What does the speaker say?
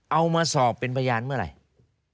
เอามาสอบเป็นพยานเมื่อไหร่